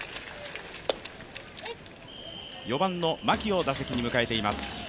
４番の牧を打席に迎えています。